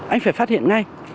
anh phải phát hiện ngay